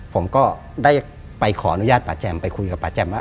ผมก็ได้ไปขออนุญาตป่าแจมไปคุยกับป่าแจมว่า